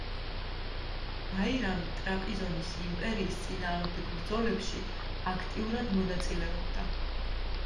ბაირამი ტრაპიზონის იმპერიის წინააღმდეგ ბრძოლებში აქტიურად მონაწილეობდა.